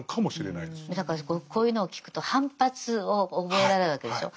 だからこういうのを聞くと反発を覚えられるわけでしょう。